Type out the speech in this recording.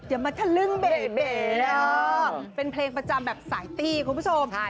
อย่ามาทะลึ่งเบเบ่เป็นเพลงประจำแบบสายตี้คุณผู้ชม